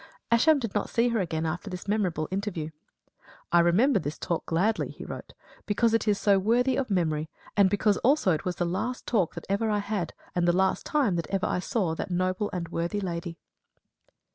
Ascham did not see her again after this memorable interview. "I remember this talk gladly," he wrote, "both because it is so worthy of memory and because also it was the last talk that ever I had and the last time that ever I saw that noble and worthy lady."